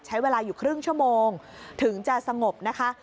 ใช้เวลาอยู่ครึ่งชั่วโมงถึงจะสงบนะคะ